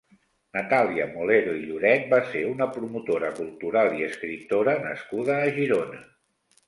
Natàlia Molero i Lloret va ser una promotora cultural i escriptora nascuda a Girona.